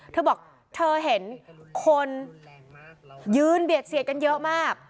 เธอบอกเธอเห็นคนยืนเบียดเสียดกันเยอะมาก